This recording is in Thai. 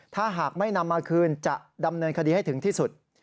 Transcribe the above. ถ้าหากไม่นำมาคืนจะดำเนินคดีให้ถึงที่สุด